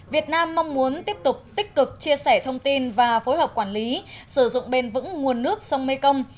việt nam mong muốn tiếp tục tích cực chia sẻ thông tin và phối hợp quản lý sử dụng bền vững nguồn nước sông mekong